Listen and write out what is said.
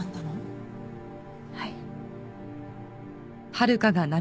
はい。